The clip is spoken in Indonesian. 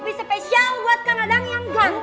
buatin kopi spesial buat kang dadang yang ganteng